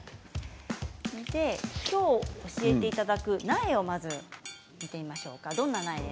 きょう教えていただく苗を見てみましょう。